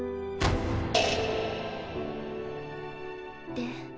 で